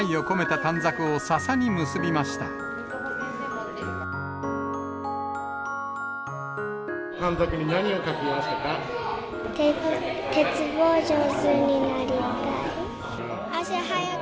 短冊に何を書きましたか？